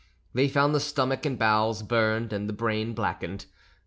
They found the stomach and bowels burned and the brain blackened.